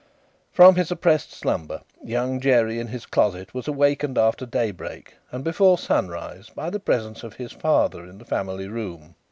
From his oppressed slumber, Young Jerry in his closet was awakened after daybreak and before sunrise, by the presence of his father in the family room.